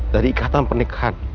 dari ikatan pernikahan